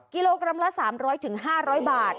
กิโลกรัมละ๓๐๐๕๐๐บาท